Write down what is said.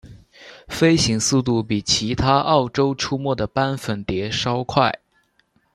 飞行速度比其他澳洲出没的斑粉蝶稍快。